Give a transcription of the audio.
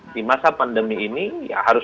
di masa pandemi ini ya harus